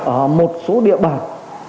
ở một số địa bàn